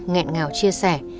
nghẹn ngào chia sẻ